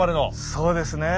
そうですね。